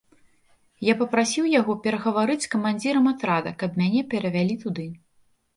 Я папрасіў яго перагаварыць з камандзірам атрада, каб мяне перавялі туды.